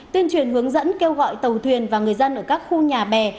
tuyên truyền hướng dẫn kêu gọi tàu thuyền và người dân ở các khu nhà bè